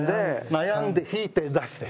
悩んで引いて出して。